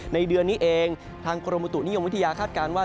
เดือนนี้เองทางกรมบุตุนิยมวิทยาคาดการณ์ว่า